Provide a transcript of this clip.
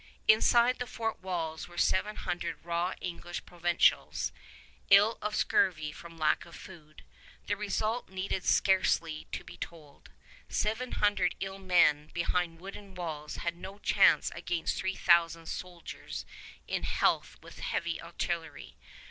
Inside the fort walls were seven hundred raw English provincials, ill of scurvy from lack of food. The result need scarcely be told. Seven hundred ill men behind wooden walls had no chance against three thousand soldiers in health with heavy artillery.